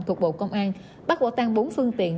thuộc bộ công an bắt quả tan bốn phương tiện